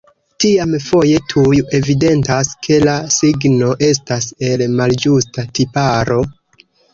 Tiam foje tuj evidentas, ke la signo estas el malĝusta tiparo.